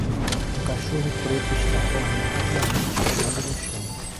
Um cachorro preto está correndo rapidamente ao longo do chão